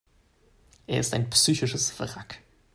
Er ist ein psychisches Wrack.